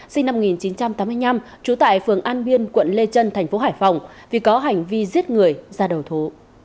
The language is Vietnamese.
sinh năm một nghìn chín trăm tám mươi năm trú tại phường an biên quận lê trân thành phố hải phòng vì có hành vi giết người ra đầu thú